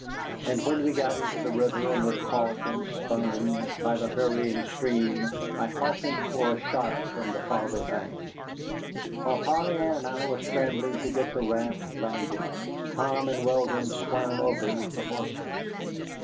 And when we got into the river and were caught and spun by the hurrying stream, I hearkened for a shot from the farther bank. While Polly Ann and I were scrambling to get the raft landed, Tom and Weldon swam over with the horses.